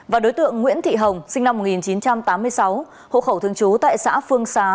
và đối tượng nguyễn thị hồng sinh năm một nghìn chín trăm tám mươi sáu hộ khẩu thường trú tại xã phương xá